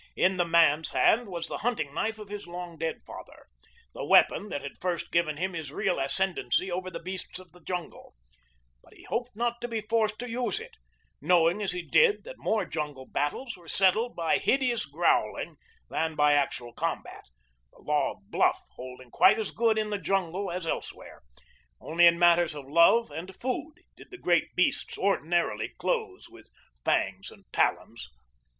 In the man's hand was the hunting knife of his long dead father the weapon that had first given him his real ascendancy over the beasts of the jungle; but he hoped not to be forced to use it, knowing as he did that more jungle battles were settled by hideous growling than by actual combat, the law of bluff holding quite as good in the jungle as elsewhere only in matters of love and food did the great beasts ordinarily close with fangs and talons.